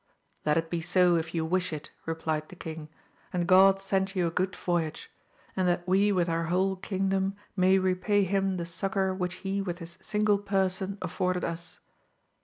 Let it be so, if you wish it, replied the king, and God send you a good voyage, and that we with our whole kingdom, may repay him the succour which he with his single person afforded us